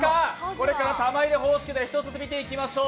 これから玉入れ方式で１つずつ見ていきましょう。